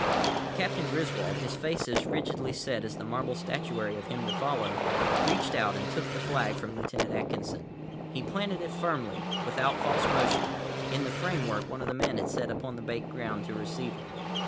Captain Griswold, his face as rigidly set as the marble statuary of him to follow, reached out and took the flag from Lieutenant Atkinson. He planted it firmly, without false motion, in the framework one of the men had set upon the baked ground to receive it.